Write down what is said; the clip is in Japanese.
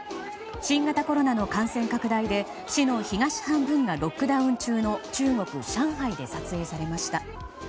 新型コロナの感染感染で市の東半分がロックダウン中の中国・上海で撮影されました。